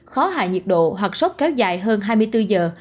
khó hạ nhiệt độ hoặc sốc kéo dài hơn hai mươi bốn giờ